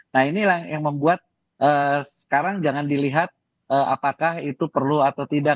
nah inilah yang membuat sekarang jangan dilihat apakah itu perlu atau tidak